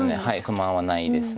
不満はないです。